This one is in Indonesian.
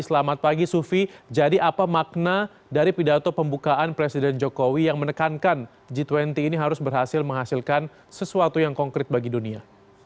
selamat pagi sufi jadi apa makna dari pidato pembukaan presiden jokowi yang menekankan g dua puluh ini harus berhasil menghasilkan sesuatu yang konkret bagi dunia